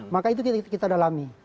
maka itu kita dalami